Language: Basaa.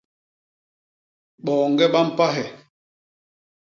Boñge ba mpahe.